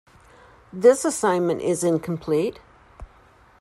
This assignment is incomplete.